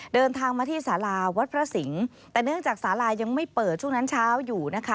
เดินทางมาที่สาราวัดพระสิงห์แต่เนื่องจากสาลายังไม่เปิดช่วงนั้นเช้าอยู่นะคะ